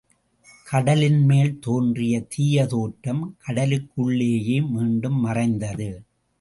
கடலின் மேல் தோன்றிய தீய தோற்றம் கடலுக்குள்ளேயே மீண்டும் மறைந்தது.